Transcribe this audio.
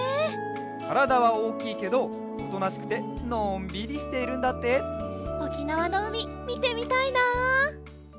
からだはおおきいけどおとなしくてのんびりしているんだっておきなわのうみみてみたいな！